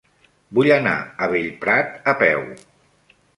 Vull anar a Bellprat a peu.